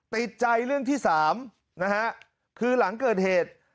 ติดใจเรื่องที่สามนะฮะคือหลังเกิดเหตุ